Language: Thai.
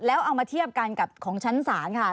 แล้วเอามาเทียบกันกับของชั้นศาลค่ะ